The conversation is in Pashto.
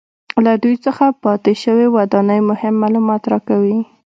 له دوی څخه پاتې شوې ودانۍ مهم معلومات راکوي